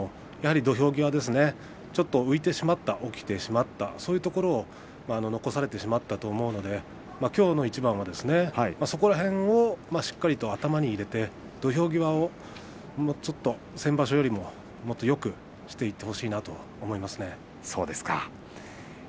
やはり土俵際ちょっと浮いてしまった起きてしまったそういうところを残されてしまったと思うのできょうの一番はその辺をしっかりと頭に入れて土俵際を先場所よりもよくしていってほしいなと思います。